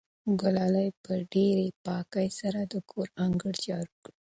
ګلالۍ په ډېرې پاکۍ سره د کور انګړ جارو کړ.